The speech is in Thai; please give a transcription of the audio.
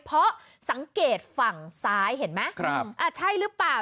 เพราะสังเกตฝั่งซ้ายเห็นไหมครับอ่าใช่หรือเปล่า